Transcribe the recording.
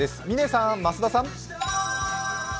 嶺さん、増田さん。